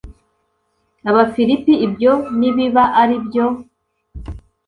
Abafilipi Ibyo nibiba ari byo